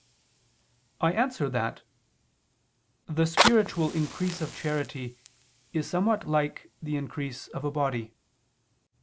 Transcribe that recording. I answer that, The spiritual increase of charity is somewhat like the increase of a body.